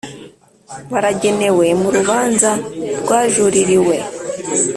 baragenewe mu rubanza rwajuririwe